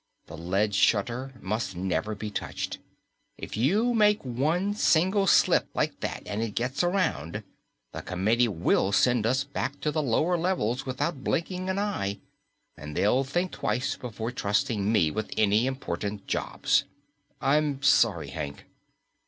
The lead shutter must never be touched! If you make one single slip like that and it gets around, the Committee will send us back to the lower levels without blinking an eye. And they'll think twice before trusting me with any important jobs." "I'm sorry, Hank."